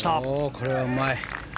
これはうまい。